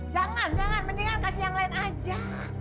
jangan jangan mendingan kasih yang lain aja